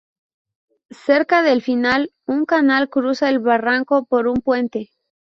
Cerca del final, un canal cruza el barranco por un puente.